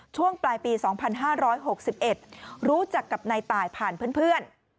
ช่วงปลายปี๒๕๖๑รู้จักกับนายตายผ่านเพื่อน